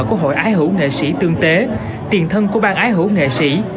của hội ái hữu nghệ sĩ tương tế tiền thân của bang ái hữu nghệ sĩ